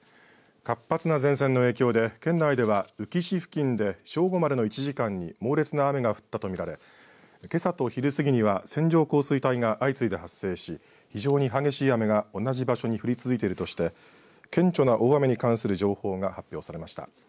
活発な前線の影響で県内では宇城市付近で正午までの１時間に猛烈な雨が降ったと見られけさと昼すぎには線状降水帯が相次いで発生し非常に激しい雨が同じ場所に降り続いているとして顕著な大雨に関する情報が発表されました。